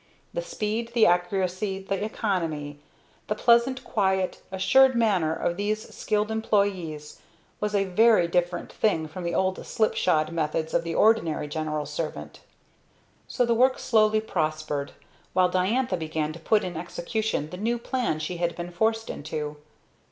The speed, the accuracy, the economy; the pleasant, quiet, assured manner of these skilled employees was a very different thing from the old slipshod methods of the ordinary general servant. So the work slowly prospered, while Diantha began to put in execution the new plan she had been forced into.